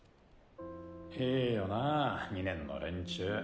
いいよなぁ２年の連中。